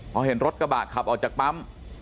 พอเห็นรถกระบะขับออกจากปั๊ม